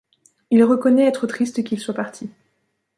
Il reconnaît être triste qu'ils soient partis.